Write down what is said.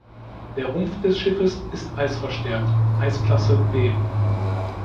Der Rumpf der Schiffe ist eisverstärkt (Eisklasse B).